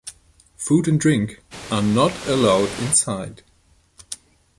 Food and drink are not allowed inside.